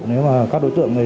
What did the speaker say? nếu mà các đối tượng